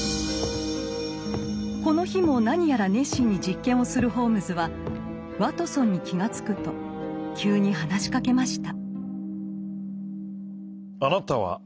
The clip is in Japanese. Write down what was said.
この日も何やら熱心に実験をするホームズはワトソンに気が付くと急に話しかけました。